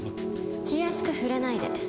気安く触れないで。